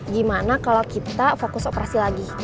gimana kalau kita fokus operasi lagi